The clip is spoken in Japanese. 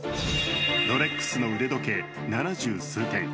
ロレックスの腕時計７０数点。